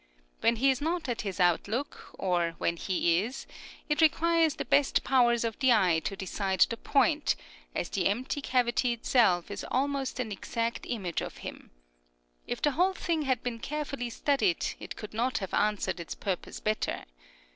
When he is not at his outlook, or when he is, it requires the best powers of the eye to decide the point, as the empty cavity itself is almost an exact image of him. If the whole thing had been carefully studied, it could not have answered its purpose better.